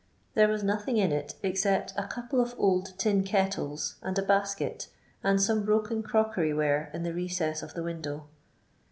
There was nothing in it ex cept a couple of old tin kettles and a basket, and some broken crockerj'ware in the recess of the window.